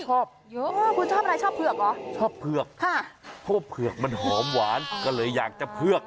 ชอบเยอะคุณชอบอะไรชอบเผือกเหรอชอบเผือกค่ะเพราะว่าเผือกมันหอมหวานก็เลยอยากจะเผือก